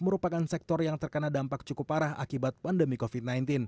merupakan sektor yang terkena dampak cukup parah akibat pandemi covid sembilan belas